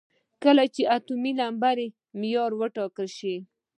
کله چې اتومي نمبر معیار وټاکل شو.